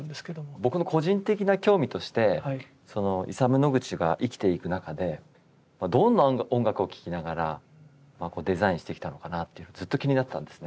僕の個人的な興味としてイサム・ノグチが生きていく中でどんな音楽を聴きながらデザインしてきたのかなってずっと気になってたんですね。